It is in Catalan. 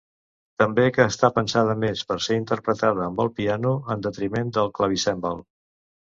També que està pensada més per ser interpretada amb el piano, en detriment del clavicèmbal.